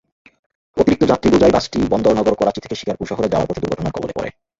অতিরিক্ত যাত্রীবোঝাই বাসটি বন্দরনগর করাচি থেকে শিকারপুর শহরে যাওয়ার পথে দুর্ঘটনার কবলে পড়ে।